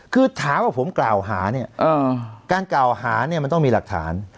คือถามว่าผมกล่าวหาเนี่ยการกล่าวหาเนี่ยมันต้องมีหลักฐาน